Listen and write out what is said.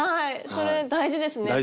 それ大事ですね